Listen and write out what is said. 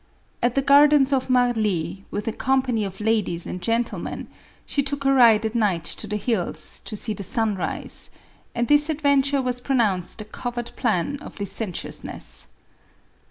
At the gardens of Marly, with a company of ladies and gentlemen, she took a ride at night to the hills, to see the sun rise; and this adventure was pronounced a covert plan of licentiousness.